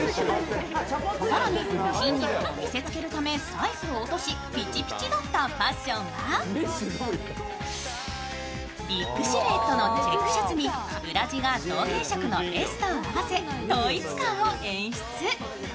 さらに筋肉を見せつけるためサイズを落としピチピチだったファッションはビッグシルエットのシャツに裏地が同系色のベストを合わせ統一感を演出。